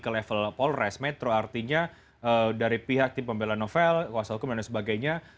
ke level polres metro artinya dari pihak tim pembela novel kuasa hukum dan lain sebagainya